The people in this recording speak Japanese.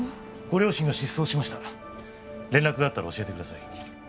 ご両親が失踪しました連絡があったら教えてください